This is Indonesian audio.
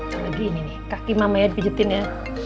nanti lagi ini nih kaki mama yang dipijetin ya